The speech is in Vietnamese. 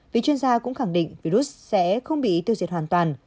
vì chuyên gia cũng khẳng định virus sẽ không bị tiêu diệt hoàn toàn